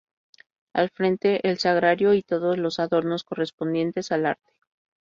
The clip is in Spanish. Al frente, el sagrario y todos los adornos correspondientes al arte.